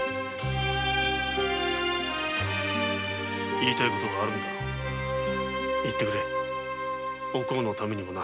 言いたい事があるのだろう言ってくれおこうのためにもな。